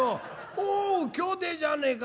『おう兄弟じゃねえか！